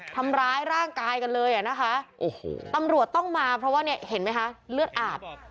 ทำร้ายร่างกายกันเลยนะคะตำรวจต้องมาเพราะว่าเห็นไหมคะเลือดอาบ